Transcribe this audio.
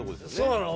そうなの。